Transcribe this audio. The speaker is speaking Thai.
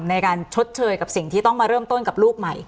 ในการชดเชยกับสิ่งที่ต้องมาเริ่มต้นกับลูกใหม่